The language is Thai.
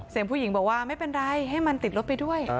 ผู้หญิงบอกว่าไม่เป็นไรให้มันติดรถไปด้วย